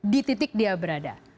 di titik dia berada